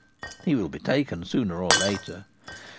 "He will be taken sooner or later."